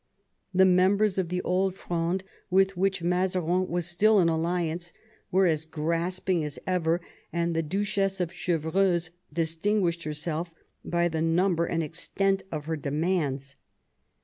The members of the Old Fronde, with which Mazarin was still in alliance, were as grasping as ever, and the Duchess of Chevreuse distinguished herself by the number and extent of her demands.